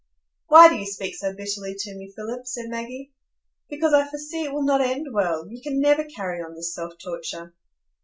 "Why do you speak so bitterly to me, Philip?" said Maggie. "Because I foresee it will not end well; you can never carry on this self torture."